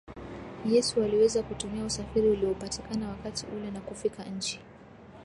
Yesu waliweza kutumia usafiri uliopatikana wakati ule na kufika nchi